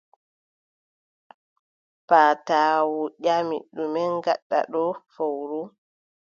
Paaɗaawu ƴami: ɗume ngaɗɗa ɗo fowru?